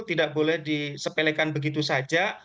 tidak boleh disepelekan begitu saja